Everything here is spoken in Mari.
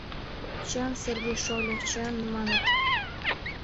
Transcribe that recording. «Чын, Сергей шольо, чын», — маныт.